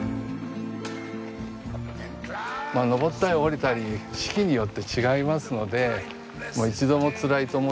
登ったり下りたり四季によって違いますので一度もつらいと思ったこともないですね。